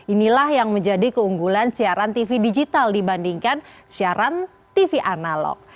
inilah yang menjadi keunggulan siaran tv digital dibandingkan siaran tv analog